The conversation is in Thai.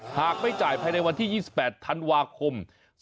หากไม่จ่ายภายในวันที่๒๘ธันวาคม๒๕๖